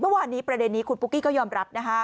เมื่อวานนี้ประเด็นนี้คุณปุ๊กกี้ก็ยอมรับ